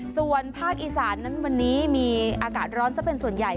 ส่วนภาคอีสานนั้นวันนี้มีอากาศร้อนซะเป็นส่วนใหญ่